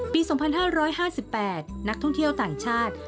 ปี๒๕๕๘นักท่องเที่ยวต่างชาติ